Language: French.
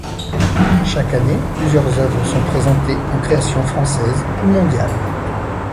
Chaque année plusieurs œuvres sont présentées en création française ou mondiale.